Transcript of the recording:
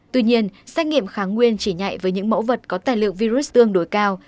tuy nhiên xét nghiệm kháng nguyên chỉ nhạy với những mẫu vật có tài liệu virus tương đối cao